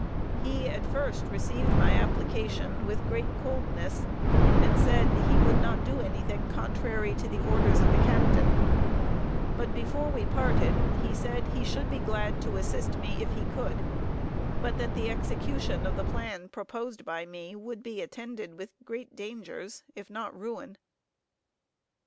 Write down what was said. He at first received my application with great coldness, and said he would not do any thing contrary to the orders of the captain; but before we parted, he said he should be glad to assist me if he could, but that the execution of the plan proposed by me, would be attended with great dangers, if not ruin.